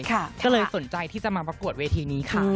ก็เลยสนใจที่จะมาประกวดเวทีนี้ค่ะ